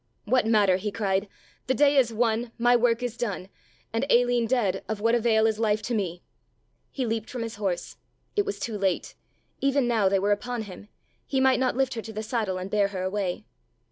"What matter," he cried, "the day is won, my work is done, and, Aline dead, of what avail is life to me?" He leaped from his horse. It was too late; even now they were upon him; he might not lift her to the saddle and bear her away.